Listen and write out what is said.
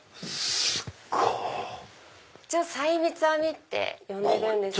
すごい！細密編みって呼んでるんです。